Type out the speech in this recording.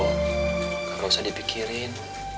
gak usah dipikirin